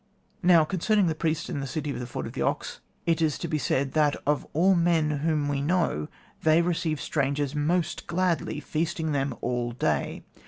Now, concerning the priests in the City of the Ford of the Ox, it is to be said that of all men whom we know they receive strangers most gladly, feasting them all day.